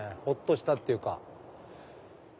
ほっとしたっていうか。